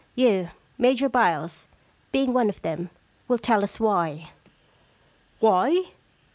You, Major Byles, being one of them, will tell us why.' * Why